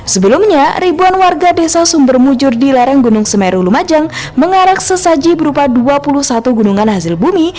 sebelumnya ribuan warga desa sumbermujur di lereng gunung semeru lumajang mengarak sesaji berupa dua puluh satu gunungan hasil bumi